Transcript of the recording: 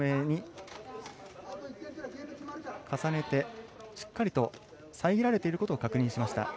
上空、少し見て照明に重ねてしっかりと遮られていることを確認しました。